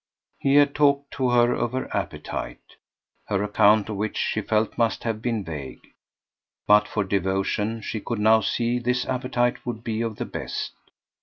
He had talked to her of her "appetite," her account of which, she felt, must have been vague. But for devotion, she could now see, this appetite would be of the best.